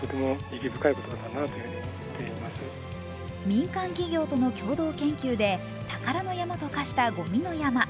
民間企業との共同研究で宝の山と化した、ごみの山。